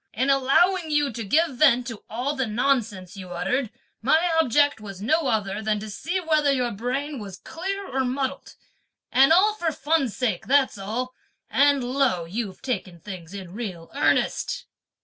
(In allowing you to give vent to) all the nonsense you uttered my object was no other than to see whether your brain was clear or muddled; and all for fun's sake, that's all; and lo, you've taken things in real earnest!"